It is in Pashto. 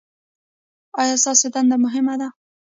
ایا ستاسو دنده مهمه ده؟